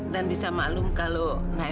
dan bisa malu kalau